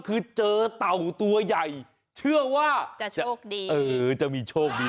คือเจอเต่าตัวใหญ่เชื่อว่าจะมีโชคดี